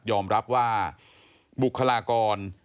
อมรับว่าบุคลากร